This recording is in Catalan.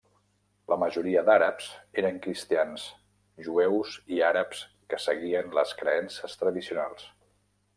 La majoria d'àrabs eren cristians, jueus i àrabs que seguien les creences tradicionals.